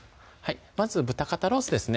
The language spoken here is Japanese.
まず豚肩ロースですね